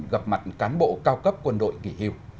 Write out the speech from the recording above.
gặp mặt cán bộ cao cấp quân đội kỳ hiệu